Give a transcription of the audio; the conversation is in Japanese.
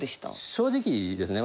正直ですね